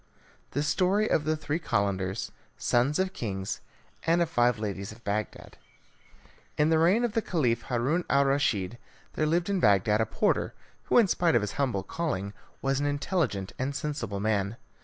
The Story of the Three Calenders, Sons of Kings, and of Five Ladies of Bagdad In the reign of the Caliph Haroun al Raschid, there lived at Bagdad a porter who, in spite of his humble calling, was an intelligent and sensible man.